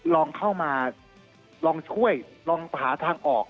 ลองเข้ามาลองช่วยลองหาทางออก